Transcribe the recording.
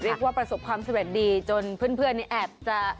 ลึกว่าประสบความสบายดีเท่าไหร่จนเพื่อนนี่แอบจะ